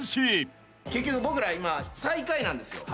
僕ら今最下位なんですよ。